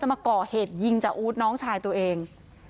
มาก่อเหตุยิงจากอู๊ดน้องชายตัวเอง